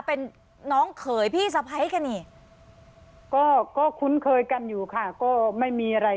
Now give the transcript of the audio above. เป็นน้องเขยพี่สะพ้ายกันนี่ก็ก็คุ้นเคยกันอยู่ค่ะก็ไม่มีอะไร